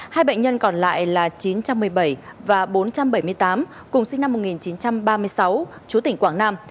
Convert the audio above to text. hai bệnh nhân còn lại là chín trăm một mươi bảy và bốn trăm bảy mươi tám cùng sinh năm một nghìn chín trăm ba mươi sáu chú tỉnh quảng nam